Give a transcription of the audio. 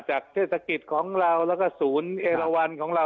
จากเทศกิจของเราและสูญเอลวัลของเรา